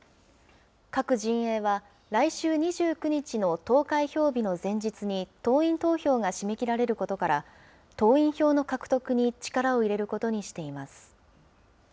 各陣営は、来週２９日の投開票日の前日に党員投票が締め切られることから、党員票の獲得に力を入れることにしています。